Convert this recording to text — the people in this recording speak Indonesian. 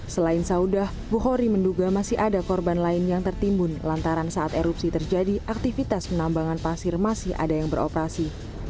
selain saudah buhori menduga masih ada korban lain yang tertimbun lantaran saat erupsi terjadi aktivitas penambangan pasir masih ada yang beroperasi